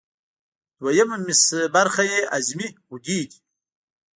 دویمه برخه یې هضمي غدې دي.